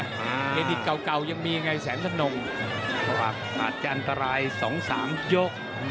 เอดิตเก่ายังมียังไงแสนทนงอาจจะอันตราย๒๓ยก